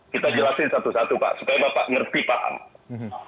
kita jelasin satu satu pak supaya bapak ngerti paham